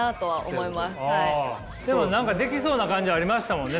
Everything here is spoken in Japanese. でも何かできそうな感じありましたもんね？